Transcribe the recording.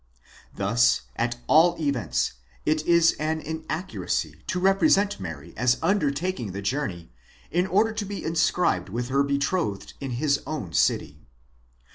Thus, at.all events, it is an inaccuracy to represent Mary as undertaking the journey, in order to be inscribed with her betrothed in his own city.